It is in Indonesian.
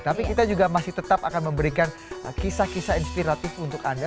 tapi kita juga masih tetap akan memberikan kisah kisah inspiratif untuk anda